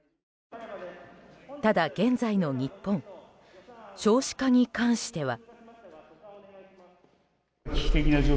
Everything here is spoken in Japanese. ただ、現在の日本少子化に関しては。